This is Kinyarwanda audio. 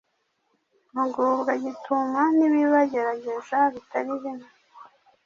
mugubwa gitumo n’ibibagerageza bitari bimwe,